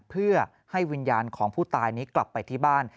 เพื่อให้วิญญาณของผู้ตายนี้กลับไปที่บ้าน